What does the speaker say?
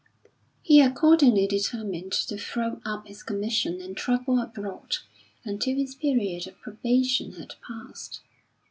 He accordingly determined to throw up his commission and travel abroad until his period of probation had passed.